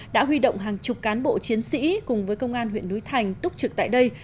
đã huy động hàng chục cán bộ chiến sĩ cùng với công an huyện núi thành túc trực tại đây